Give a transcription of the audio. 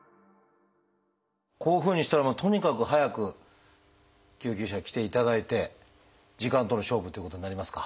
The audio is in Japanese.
こういうふうにしたらとにかく早く救急車に来ていただいて時間との勝負ということになりますか？